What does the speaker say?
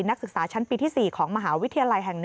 นักศึกษาชั้นปีที่๔ของมหาวิทยาลัยแห่ง๑